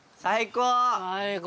最高！